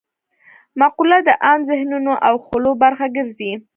مقوله د عام ذهنونو او خولو برخه ګرځي